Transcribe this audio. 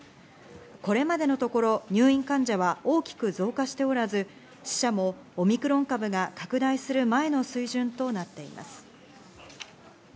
これまでのところ入院患者は大きく増加しておらず、死者もオミクロン株が拡大する前の水準となっています。